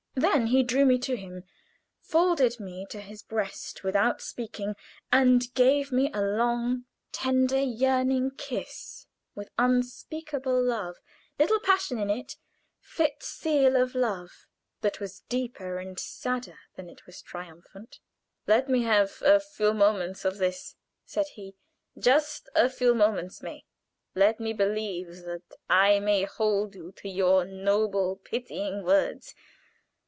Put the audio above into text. Then he drew me to him, folded me to his breast without speaking, and gave me a long, tender, yearning kiss, with unspeakable love, little passion in it, fit seal of a love that was deeper and sadder than it was triumphant. "Let me have a few moments of this," said he, "just a few moments, May. Let me believe that I may hold you to your noble, pitying words.